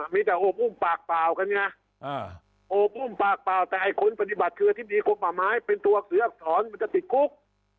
เนี่ยอบอุ้มปากเปล่ากันไงแต่แค่คนปฏิบัติภือภาคมายทีนี้เป็นตัวเสือกสอนมันจะติดคุก